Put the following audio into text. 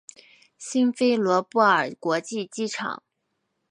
辛菲罗波尔国际机场。